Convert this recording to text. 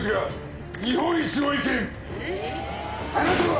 あなたは！